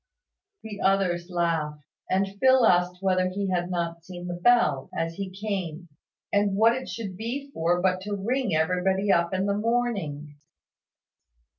The others laughed; and Phil asked whether he had not seen the bell, as he came; and what it should be for but to ring everybody up in the morning.